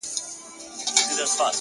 • د ابليس پندونه ,